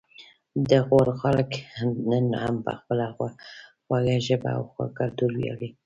د غور خلک نن هم په خپله خوږه ژبه او کلتور ویاړي